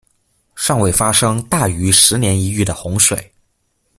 尚未发生大于十年一遇的洪水。